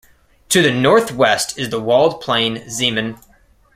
To the northwest is the walled plain Zeeman.